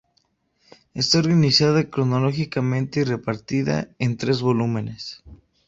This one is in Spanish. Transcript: Está organizada cronológicamente y repartida en tres volúmenes.